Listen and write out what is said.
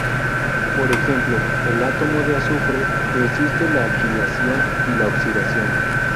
Por ejemplo, el átomo de azufre, resiste la alquilación y la oxidación.